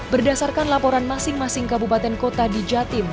berdasarkan laporan masing masing kabupaten kota di jatim